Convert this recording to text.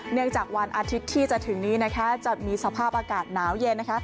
เนื่องจากวันอาทิตย์ที่จะถึงนี้จะมีสภาพอากาศหนาวเย็น